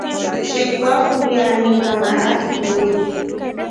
Msheku akundi anika maraki muuni.